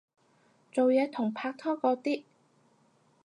做嘢同拍拖嗰啲